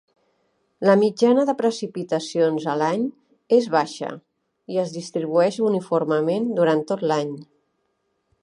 La mitjana de precipitacions a l'any és baixa, i es distribueix uniformement durant tot l'any.